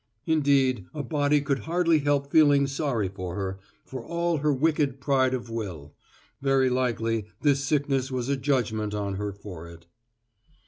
Indeed, a body could hardly help feeling sorry for her, for all her wicked pride of will; very likely this sickness was a judgment on her for it.